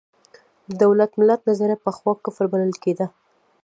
د دولت–ملت نظریه پخوا کفر بلل کېده.